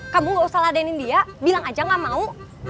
kamu gak usah ladenin dia bilang aja gak mau